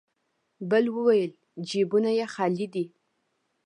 بل وويل: جيبونه يې خالي دی.